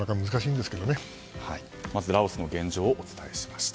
まずラオスの現状をお伝えしました。